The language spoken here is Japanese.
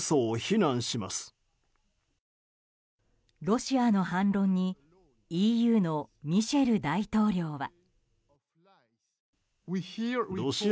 ロシアの反論にＥＵのミシェル大統領は。